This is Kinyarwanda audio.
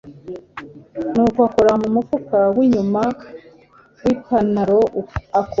nuko akora mumufuka winyuma wipanaro ako